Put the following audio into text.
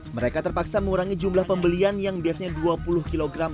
mereka terpaksa mengurangi jumlah pembelian yang biasanya dua puluh kg